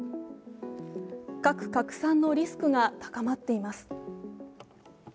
核拡散のリスクが高まっています。